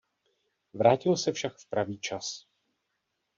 Vrátil se však v pravý čas.